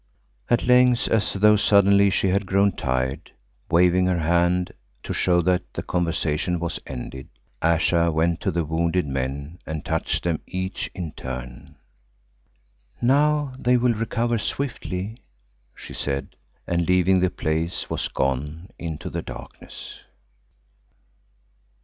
At length, as though suddenly she had grown tired, waving her hand to show that the conversation was ended, Ayesha went to the wounded men and touched them each in turn. "Now they will recover swiftly," she said, and leaving the place was gone into the darkness.